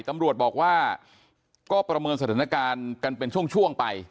ตำรวจบอกว่าก็ประเมินสถานการณ์กันเป็นช่วงไป